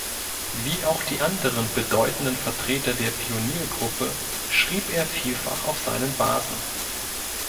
Wie auch die anderen bedeutenden Vertreter der Pioniergruppe schrieb er vielfach auf seinen Vasen.